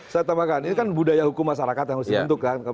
saya tambahkan ini kan budaya hukum masyarakat yang harus dibentuk kan